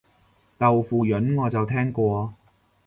豆腐膶我就聽過